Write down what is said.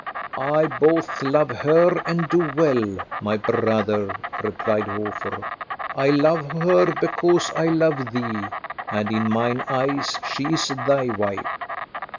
"I both love her and do well, my brother," replied Hofer. "I love her because I love thee, and in mine eyes she is thy wife.